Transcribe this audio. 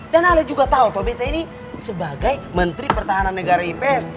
dan ale juga tau toh betta ini sebagai menteri pertahanan negara ips